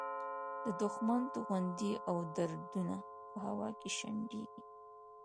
د دوښمن توغندي او ډرونونه په هوا کې شنډېږي.